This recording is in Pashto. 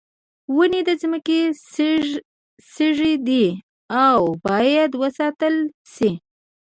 ونې د ځمکې سږی دي او باید وساتل شي.